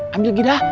ambil gitu lah